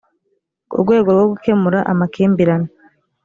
urwego rwo gukemura amakimbirane